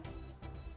ya itu sudah pasti ya